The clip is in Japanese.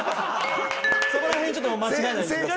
そこら辺ちょっと間違えないでください。